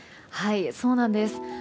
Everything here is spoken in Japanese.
はい、そうなんです。